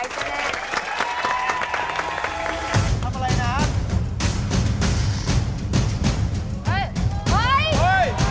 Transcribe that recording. ทำอะไรนะ